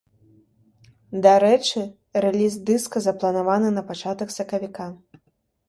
Дарэчы, рэліз дыска запланаваны на пачатак сакавіка.